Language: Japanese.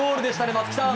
松木さん。